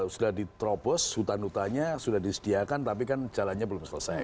sudah diterobos hutan hutannya sudah disediakan tapi kan jalannya belum selesai